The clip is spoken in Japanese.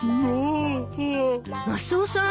マスオさん